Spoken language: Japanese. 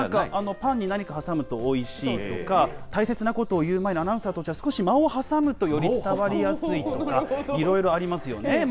パンにいろいろ挟むとおいしいとか、大切なことを言う前に、アナウンサーにとっては、間を挟むと、より伝わりやすいとか、いろいろありますよね。